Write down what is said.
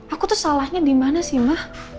aku tuh salahnya di mana sih mah